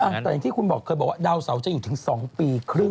แต่อย่างที่คุณบอกเคยบอกว่าดาวเสาจะอยู่ถึง๒ปีครึ่ง